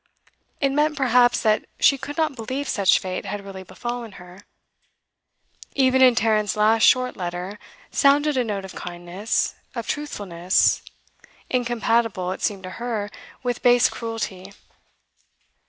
It meant, perhaps, that she could not believe such fate had really befallen her. Even in Tarrant's last short letter sounded a note of kindness, of truthfulness, incompatible, it seemed to her, with base cruelty.